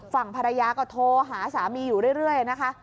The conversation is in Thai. ฝั่งภรรยาก็โทรหาสามีอยู่เรื่อยนะคะ